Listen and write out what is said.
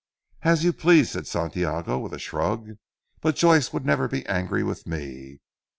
"As you please," said Santiago with a shrug, "but Joyce would never be angry with me.